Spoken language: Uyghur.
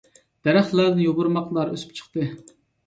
دەرەخلەردىن يوپۇرماقلار ئۆسۈپ چىقتى.